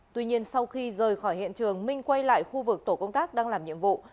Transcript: tuy nhiên sau khi rời khỏi hiện trường minh quay lại khu vực tổ công tác đang làm nhiệm vụ